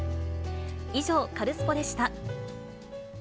以上、カルスポっ！でした。